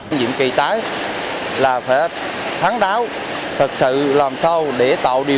nhiệm kỳ tái là phải thắng đáo thực sự làm sao để tạo điều